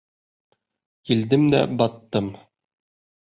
Килдем дә баттым.